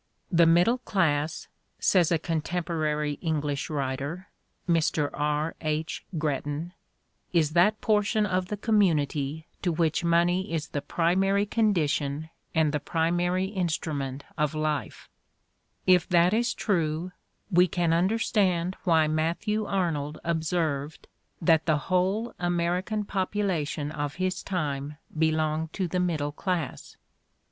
"The middle class," says a contem porary English writer, Mr. R. H. Gretton, "is that por tion of the community to which money is the primary condition and the primary instrument of life"; if that is true, we can understand why Matthew Arnold ob served that the whole American, population of his time belonged to the middle class.